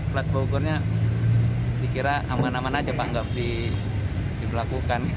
plat bogornya dikira aman aman aja pak nggak diberlakukan